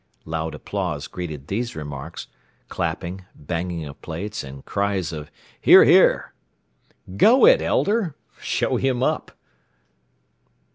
Loud applause greeted these remarks, clapping, banging of plates, and cries of "Hear, hear!" "Go it, Elder!" "Show him up!"